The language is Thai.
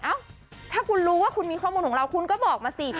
เอ้าถ้าคุณรู้ว่าคุณมีข้อมูลของเราคุณก็บอกมาสิ